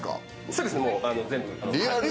そうですね、全部。